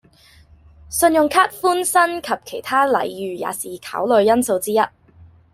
信用卡迎新及其他禮遇也是考慮因素之一